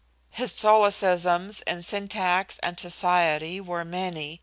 His solecisms in syntax and society were many.